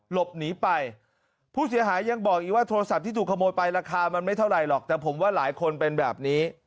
หลบหนีไปผู้เสียหายยังบอกอีกว่าโทรศัพท์ที่ถูกขโมยไปราคามันไม่เท่าไหร่หรอกแต่ผมว่าหลายคนเป็นแบบนี้